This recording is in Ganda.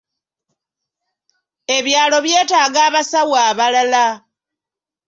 Ebyalo byetaaga abasawo abalala.